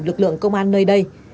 lực lượng công an nơi đây